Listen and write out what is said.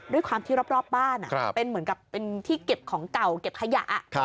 ด้วยความที่รอบบ้านเป็นเหมือนกับเป็นที่เก็บของเก่าเก็บขยะ